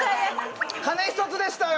鐘１つでしたよ！